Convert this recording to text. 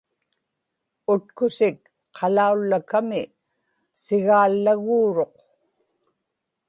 utkusik qalaullakami sigaallaguuruq